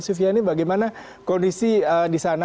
sufiani bagaimana kondisi di sana